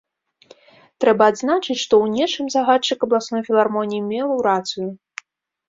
Трэба адзначыць, што ў нечым загадчык абласной філармоніі меў рацыю.